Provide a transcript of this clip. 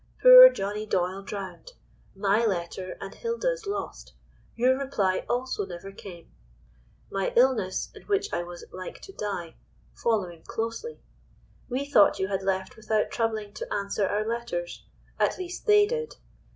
Poor Johnny Doyle drowned! my letter and Hilda's lost. Your reply also never came. "My illness, in which I was 'like to die' following closely. "We thought you had left without troubling to answer our letters—at least, they did.